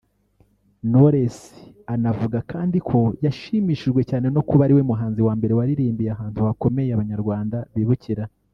Knowless anavuga kandi ko yashimishijwe cyane no kuba ari we muhanzi wa mbere waririmbiye ahantu hakomeye Abanyarwanda bibukira